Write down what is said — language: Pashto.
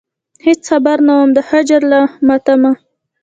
هېڅ خبر نه وم د هجر له ماتمه.